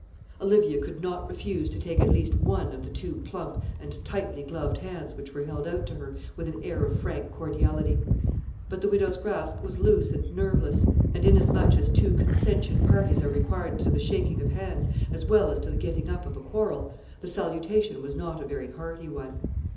Olivia could not refuse to take at least one of the two plump and tightly gloved hands which were held out to her with an air of frank cordiality; but the widow's grasp was loose and nerveless, and, inasmuch as two consentient parties are required to the shaking of hands as well as to the getting up of a quarrel, the salutation was not a very hearty one.